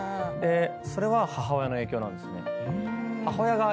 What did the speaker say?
それは母親の影響なんですよね。